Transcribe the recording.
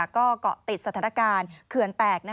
ก็เกาะติดสถานการณ์เขื่อนแตก